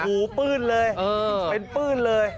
หูปื้นเลยเป็นปื้นเลย